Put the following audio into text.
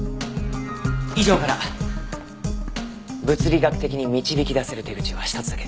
以上から物理学的に導き出せる手口は一つだけ。